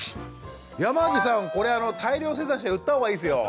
山地さんこれ大量生産して売ったほうがいいですよ。